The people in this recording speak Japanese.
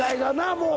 もう